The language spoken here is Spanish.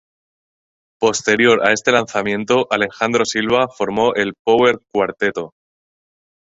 Posterior a este lanzamiento, Alejandro Silva formó el Power Cuarteto.